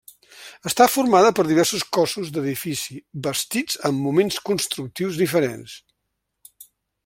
Està formada per diversos cossos d'edifici bastits en moments constructius diferents.